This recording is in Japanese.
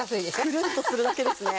くるっとするだけですね。